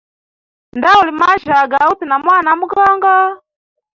Ndauli majya gauta na mwana amogongo.